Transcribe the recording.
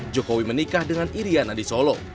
jokowi menikah dengan iryana di solo